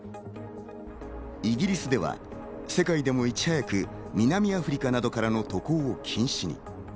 イギリスでは世界でもいち早く南アフリカなどからの渡航を禁止。